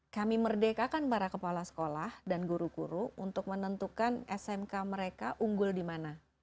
kami merdekakan para kepala sekolah dan guru guru untuk menentukan smk mereka unggul di mana